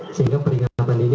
sehingga peringatan ini kita